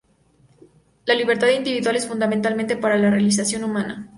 La libertad individual es fundamental para la realización humana.